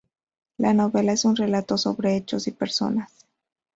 La novela es un relato sobre hechos y personas.